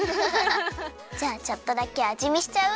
じゃあちょっとだけあじみしちゃう？